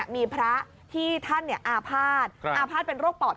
มีพระที่ท่านอาภาษณ์อาภาษณเป็นโรคปอด